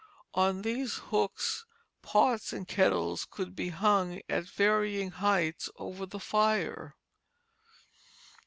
On these hooks pots and kettles could be hung at varying heights over the fire.